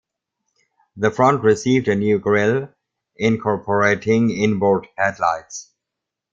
The front received a new grille incorporating inboard headlights.